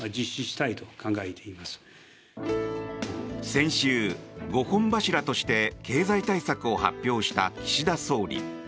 先週、５本柱として経済対策を発表した岸田総理。